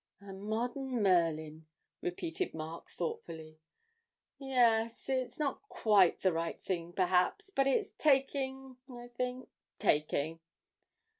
'"A Modern Merlin,"' repeated Mark thoughtfully. 'Yes, it's not quite the right thing, perhaps, but it's taking, I think, taking.'